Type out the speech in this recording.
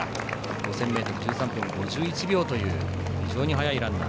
５０００ｍ、１３分５１秒という非常に速いランナー。